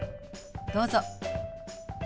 どうぞ。